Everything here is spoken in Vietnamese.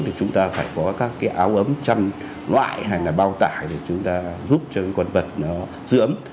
thì chúng ta phải có các cái áo ấm chăm loại hay là bao tải để chúng ta giúp cho con vật nó giữ ấm